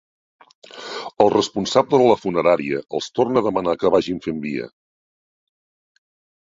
El responsable de la funerària els torna a demanar que vagin fent via.